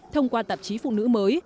thông qua tạp chí phụ nữ mới